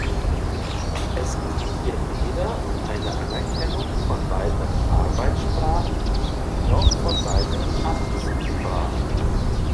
Es geht hier weder um eine Anerkennung von weiteren Arbeitssprachen noch von weiteren Amtssprachen.